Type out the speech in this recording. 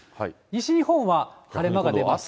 西日本は晴れ間が出ます。